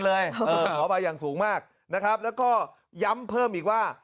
ขออภัยอย่างสูงมากนะครับแล้วก็ย้ำเพิ่มอีกว่า